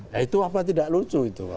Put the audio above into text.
nah itu apa tidak lucu itu